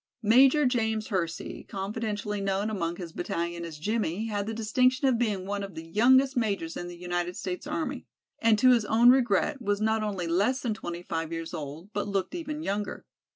Major James Hersey, confidentially known among his battalion as "Jimmie" had the distinction of being one of the youngest majors in the United States army, and to his own regret was not only less than twenty five years old but looked even younger.